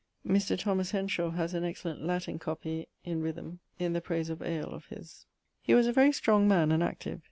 Mr. Thomas Henshawe haz an excellent Latin copie in rhythme in the prayse of ale of his. He was a very strong man and active.